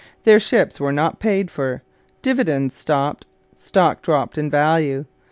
Their ships were not paid for; dividends stopped; stock dropped in value.